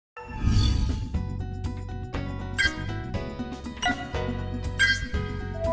các doanh nghiệp cần nâng cao tinh thần cảnh giác báo trộm ở những vị trí quan trọng nơi để tài sản có giá trị cao